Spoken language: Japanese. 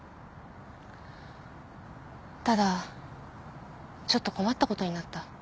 ただちょっと困ったことになった。